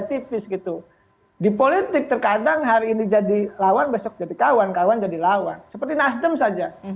tipis gitu di politik terkadang hari ini jadi lawan besok jadi kawan kawan jadi lawan seperti nasdem saja